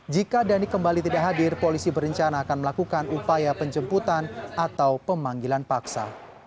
jika dhani kembali tidak hadir polisi berencana akan melakukan upaya penjemputan atau pemanggilan paksa